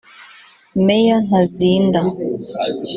Meya Ntazinda